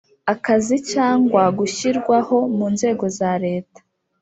akazi cyangwa gushyirwaho mu nzego za leta